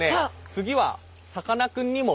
次はさかなクンにも。